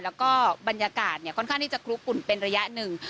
แล้วก็บรรยากาศค่อนข้างที่จะคลุกอุ่นเป็นระยะหนึ่ง